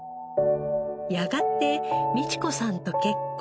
やがて美智子さんと結婚。